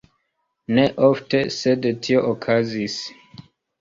Ne ofte, sed tio okazis.